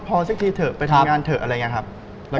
พอสักทีเถอะไปทำงานเถอะอะไรอย่างนี้ครับ